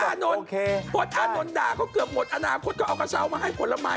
ปลดอานนท์ด่าเขาเกือบหมดอนาคตก็เอากระเช้ามาให้ผลไม้